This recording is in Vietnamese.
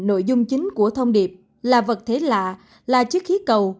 nội dung chính của thông điệp là vật thể lạ là chiếc khí cầu